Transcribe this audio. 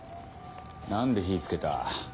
何で火つけた？